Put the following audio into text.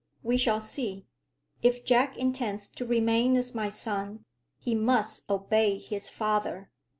"We shall see. If Jack intends to remain as my son, he must obey his father.